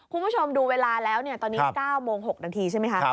คุณผู้ชมดูเวลาแล้วตอนนี้๙โมง๖นาทีใช่ไหมคะ